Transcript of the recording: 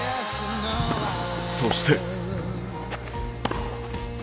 そして。